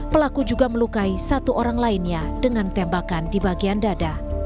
pelaku juga melukai satu orang lainnya dengan tembakan di bagian dada